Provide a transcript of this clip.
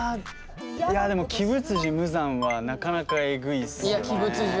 いやでも鬼舞無惨はなかなかえぐいっすよね。